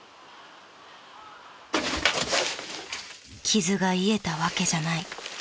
［傷が癒えたわけじゃない］